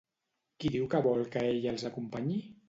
Qui diu que vol que ell els acompanyi?